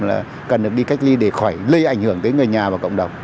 là cần được đi cách ly để khỏi lây ảnh hưởng tới người nhà và cộng đồng